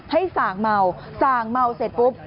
ให้ส่างเมาเสร็จปุ๊บ